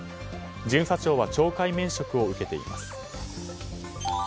巡査長は懲戒免職を受けています。